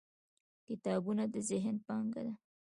• کتابونه د ذهن پانګه ده.